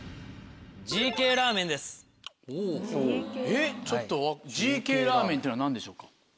えっちょっとＧ系ラーメンっていうのは何でしょうか？